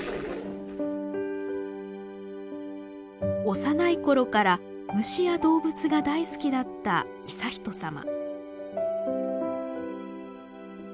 幼いころから虫や動物が大好きだった悠仁さま。